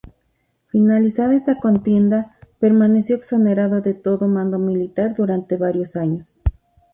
Finalizada esta contienda, permaneció exonerado de todo mando militar, durante varios años.